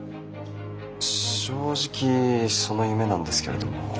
正直その夢なんですけれども。